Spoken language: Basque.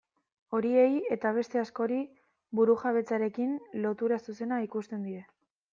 Horiei eta beste askori burujabetzarekin lotura zuzena ikusten die.